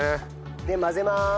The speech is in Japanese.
で混ぜます。